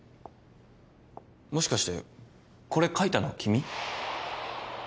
もしかしてこれ書いたの君？